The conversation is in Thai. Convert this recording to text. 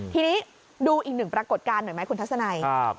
ทีนี้ดูอีกหนึ่งปรากฏการณ์หน่อยไหมคุณทัศนัย